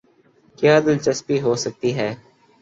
کیا دلچسپی ہوسکتی ہے۔